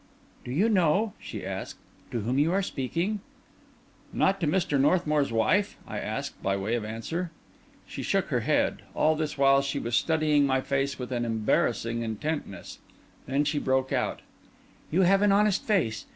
"Do you know," she asked, "to whom you are speaking?" "Not to Mr. Northmour's wife?" I asked, by way of answer. She shook her head. All this while she was studying my face with an embarrassing intentness. Then she broke out— "You have an honest face.